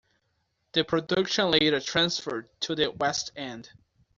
The production later transferred to the West End.